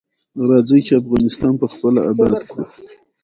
راځی چی افغانستان پخپله اباد کړو.